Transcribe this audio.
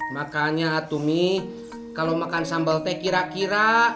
makanya atumi kalo makan sambal teh kira kira